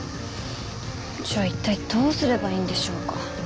じゃあ一体どうすればいいんでしょうか？